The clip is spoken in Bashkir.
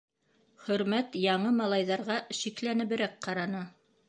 Хөрмәт яңы малайҙарға шикләнеберәк ҡараны.